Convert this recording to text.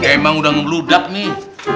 emang udah ngeludak nih